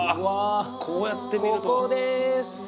こうやって見ると。